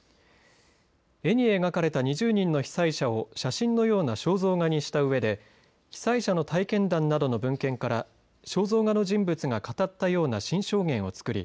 絵に描かれた２０人の被災者を写真のような肖像画にしたうえで被災者の体験談などの文献から肖像画の人物が語ったような新証言を作り